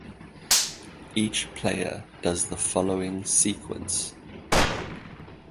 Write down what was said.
Each player does the following sequence.